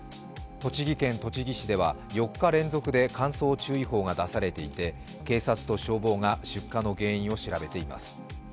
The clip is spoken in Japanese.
栃木県栃木市では４日連続で乾燥注意報が出されていて、警察と消防が出火の原因を調べています。